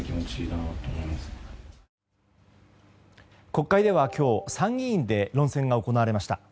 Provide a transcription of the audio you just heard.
国会では今日参議院で論戦が行われました。